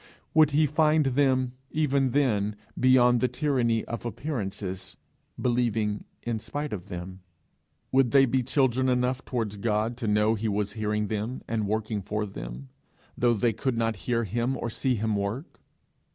Would he find them, even then, beyond the tyranny of appearances, believing in spite of them? Would they be children enough towards God to know he was hearing them and working for them, though they could not hear him or see him work?